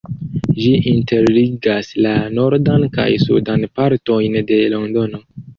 Ĝi interligas la nordan kaj sudan partojn de Londono.